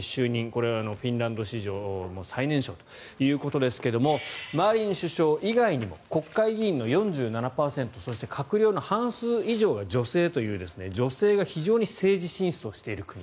これはフィンランド史上最年少ということですがマリン首相以外にも国会議員の４７％そして閣僚の半数以上が女性という女性が非常に政治進出をしている国。